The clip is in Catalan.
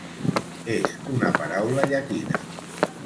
És una paraula llatina.